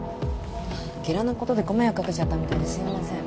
ゲラのことでご迷惑かけちゃったみたいですいません